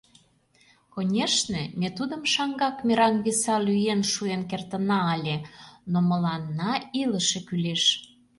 Конешне, ме тудым шаҥгак мераҥ виса лӱен шуэн кертына ыле, но мыланна илыше кӱлеш.